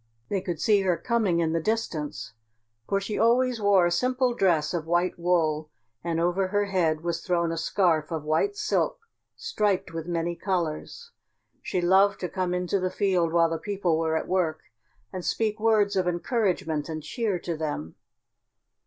They could see her coming in the distance, for she always wore a simple dress of white wool, and over her head was thrown a scarf of white silk striped with many colours. She loved to come into the field while the people were at work and speak words of encouragement and cheer to them.